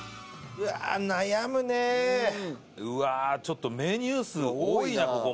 うわーちょっとメニュー数多いなここも。